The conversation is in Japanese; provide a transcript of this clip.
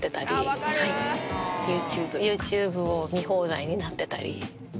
ＹｏｕＴｕｂｅを見放題になってたり。